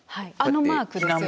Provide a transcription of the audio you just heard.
あのマークですよね？